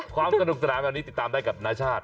ความสนุกสนามติดตามได้กับนาชาติ